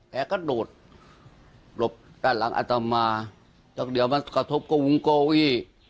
แผลก็โดดหลบด้านหลังอัตมาจากเดี๋ยวมันกระทบกับวุงโกอี้